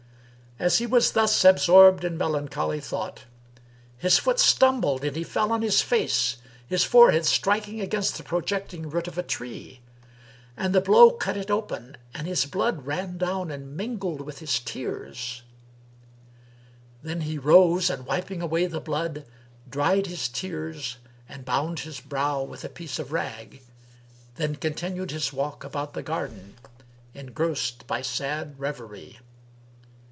As he was thus absorbed in melancholy thought, his foot stumbled and he fell on his face, his forehead striking against the projecting root of a tree; and the blow cut it open and his blood ran down and mingled with his tears Then he rose and, wiping away the blood, dried his tears and bound his brow with a piece of rag; then continued his walk about the garden engrossed by sad reverie.